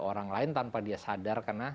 orang lain tanpa dia sadar karena